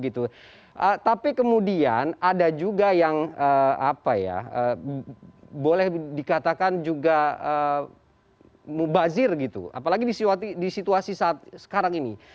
tapi kemudian ada juga yang boleh dikatakan juga mubazir apalagi di situasi sekarang ini